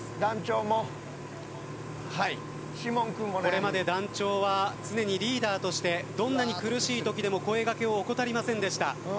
これまで団長は常にリーダーとしてどんなに苦しい時でも声がけを怠りませんでした。